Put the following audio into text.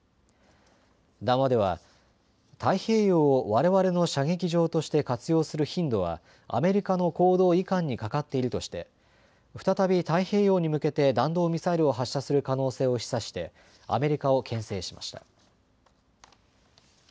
談話では、太平洋をわれわれの射撃場として活用する頻度はアメリカの行動いかんにかかっているとして再び太平洋に向けて弾道ミサイルを発射する可能性を示唆してアメリカをけん制しました。